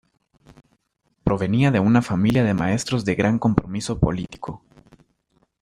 Provenía de una familia de maestros de gran compromiso político.